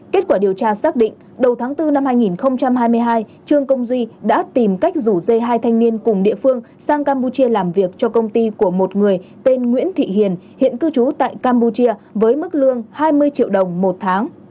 kết quả điều tra xác định đầu tháng bốn năm hai nghìn hai mươi hai trương công duy đã tìm cách rủ dây hai thanh niên cùng địa phương sang campuchia làm việc cho công ty của một người tên nguyễn thị hiền hiện cư trú tại campuchia với mức lương hai mươi triệu đồng một tháng